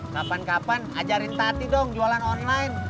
kapan kapan ajarin tati dong jualan online